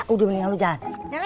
udah mendingan lu jalan